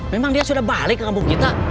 memang dia sudah balik ke kampung kita